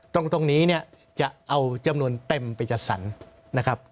ตรงนี้เนี่ยจะเอาจำนวนเต็มไปจัดสรรนะครับ